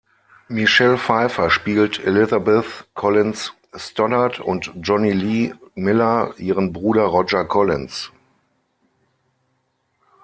Michelle Pfeiffer spielt Elizabeth Collins Stoddard und Jonny Lee Miller ihren Bruder Roger Collins.